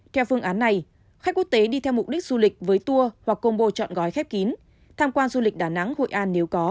theo phương án này khách quốc tế đi theo mục đích du lịch với tour hoặc combo chọn gói khép kín tham quan du lịch đà nẵng hội an nếu có